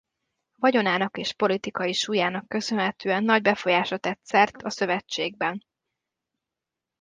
Vagyonának és politikai súlyának köszönhetően nagy befolyásra tett szert a szövetségben.